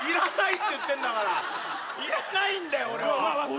いらないんだよ俺は。